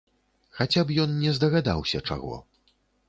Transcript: Хаця б ён не здагадаўся чаго.